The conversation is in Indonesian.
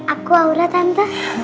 aku aura tante